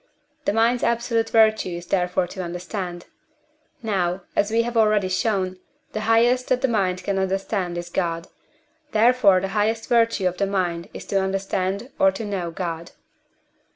The mind's absolute virtue is therefore to understand. Now, as we have already shown, the highest that the mind can understand is God; therefore the highest virtue of the mind is to understand or to know God.